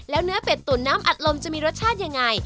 แล้วเนื้อเป็ดตุ๋นน้ำอัดลมจะมีรสชาติยังไง